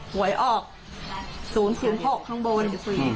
หวยออก๐๐๖ข้างบน